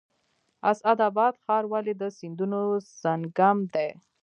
اسعد اباد ښار ولې د سیندونو سنگم دی؟